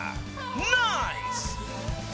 ナイス！］